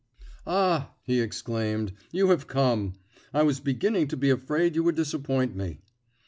"Ah!" he exclaimed, "you have come. I was beginning to be afraid you would disappoint me."